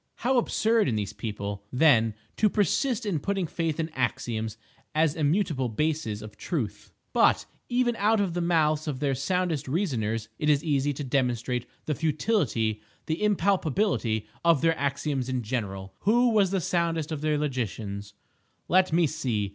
How absurd in these people, then, to persist in putting faith in "axioms" as immutable bases of Truth! But even out of the mouths of their soundest reasoners it is easy to demonstrate the futility, the impalpability of their axioms in general. Who was the soundest of their logicians? Let me see!